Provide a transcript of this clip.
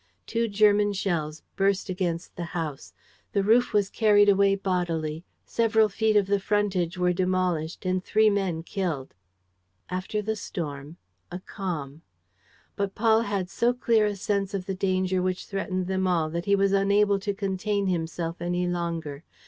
Two German shells burst against the house. The roof was carried away bodily, several feet of the frontage were demolished and three men killed. After the storm, a calm. But Paul had so clear a sense of the danger which threatened them all that he was unable to contain himself any longer.